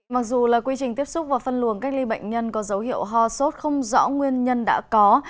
mặc dù là quy trình tiếp xúc và phân luồng cách ly bệnh nhân có dấu hiệu ho sốt không rõ nguyên nhân đã có